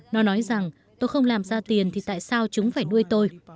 nó nói rằng tôi không làm ra tiền thì tại sao chúng phải nuôi tôi